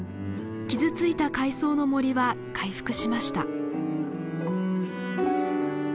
傷ついた海藻の森は回復しました。